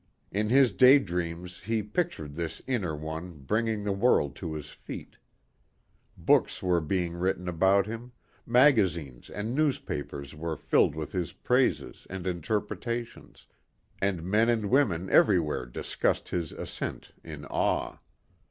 In his day dreams he pictured this inner one bringing the world to his feet. Books were being written about him, magazines and newspapers were filled with his praises and interpretations, and men and women everywhere discussed his ascent in awe.